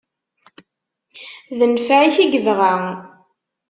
D nfeɛ-ik i yebɣa.